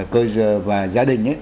cơ sở và gia đình ấy